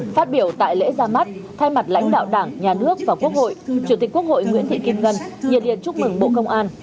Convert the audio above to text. phát biểu tại lễ ra mắt thay mặt lãnh đạo đảng nhà nước và quốc hội chủ tịch quốc hội nguyễn thị kim ngân nhiệt điện chúc mừng bộ công an